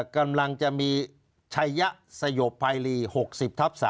กำลังจะมีชัยยะสยบภัยรี๖๐ทับ๓